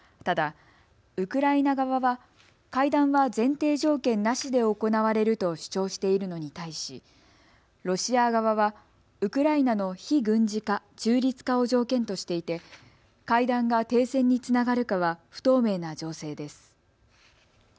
ただウクライナ側は会談は前提条件なしで行われると主張しているのに対しロシア側はウクライナの非軍事化・中立化を条件としていて会談が停戦につながるかは不透明な情勢です。